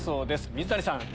水谷さん。